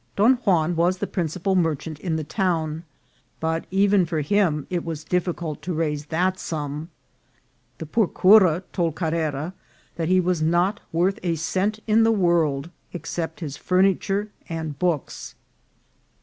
Don Juan was the principal merchant in the town, but even for him it was difficult to raise that sum. The poor cura told Carrera that he was not worth a cent in the world except his furniture and books.